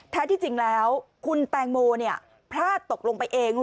แท้ที่จริงแล้วคุณแต่งโหมเนี่ยภาษาตกลงไปเอง